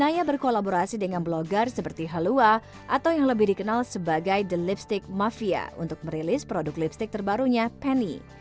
naya berkolaborasi dengan blogger seperti halua atau yang lebih dikenal sebagai the lipstick mafia untuk merilis produk lipstick terbarunya penny